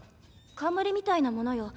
冠みたいなものよ